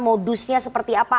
modusnya seperti apa